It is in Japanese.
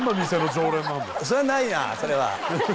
それはないなそれは。